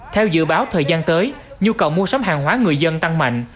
theo dự báo thời gian tới nhu cầu mua sắm hàng hóa người dân tăng mạnh